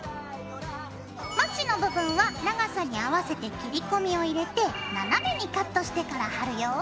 まちの部分は長さに合わせて切り込みを入れて斜めにカットしてから貼るよ。